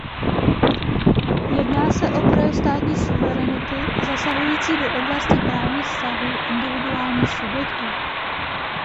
Jedná se o projev státní suverenity zasahující do oblasti právních vztahů individuálních subjektů.